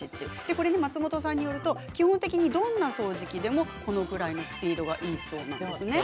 松本さんによると基本的にどんな掃除機でもこのくらいのスピードがいいそうです。